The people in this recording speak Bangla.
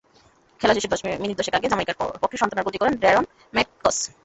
খেলা শেষের মিনিট দশেক আগে জ্যামাইকার পক্ষে সান্ত্বনার গোলটি করেন ড্যারেন ম্যাটকস।